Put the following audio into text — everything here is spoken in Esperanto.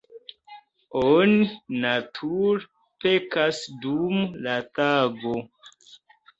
Oni, nature, pekas dum la tago.